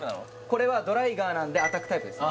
これはドライガーなんでアタックタイプです